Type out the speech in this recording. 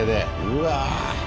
うわ。